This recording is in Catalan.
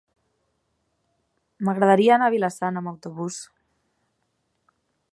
M'agradaria anar a Vila-sana amb autobús.